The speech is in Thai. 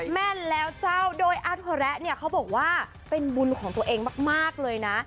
แม่นแล้วเจ้าโดยอาถอแระเนี่ยเขาบอกว่าเป็นบุญของตัวเองมากเลยนะ